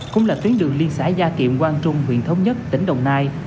cũng là tuyến đường liên xã gia kiệm quang trung huyện thống nhất tỉnh đồng nai